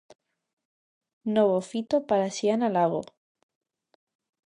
Novo fito para Xiana Lago.